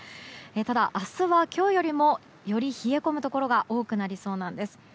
ただ、明日は今日よりもより冷え込むところが多くなりそうなんです。